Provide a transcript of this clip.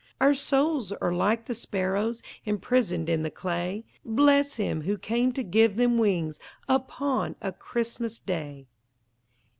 Our souls are like the sparrows Imprisoned in the clay, Bless Him who came to give them wings Upon a Christmas Day!